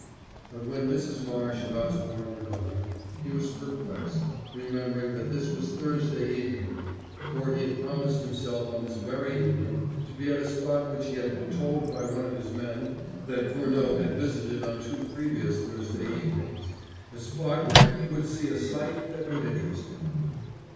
But when Mrs. Marsh and Osborne were gone he was perplexed, remembering that this was Thursday evening, for he had promised himself on this very evening to be at a spot which he had been told by one of his men that Furneaux had visited on two previous Thursday evenings, a spot where he would see a sight that would interest him.